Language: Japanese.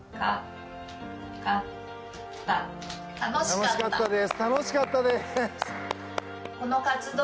楽しかったです。